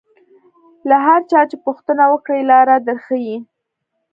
له هر چا چې پوښتنه وکړې لاره در ښیي.